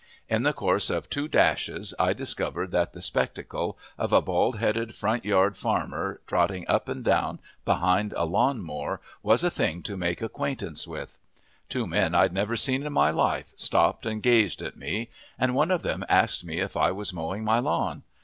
In the course of two dashes I discovered that the spectacle of a bald headed front yard farmer trotting up and down behind a lawn mower was a thing to make acquaintance with. Two men I'd never seen in my life stopped and gazed at me, and one of them asked me if I was mowing my lawn.